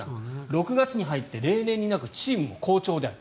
６月に入って例年になくチームも好調である。